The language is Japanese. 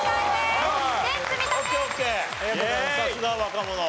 さすが若者。